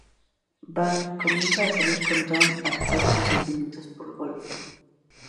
Bank comienza a salir con Thom a pesar de sus sentimientos por Golf.